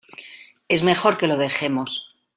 es mejor que lo dejemos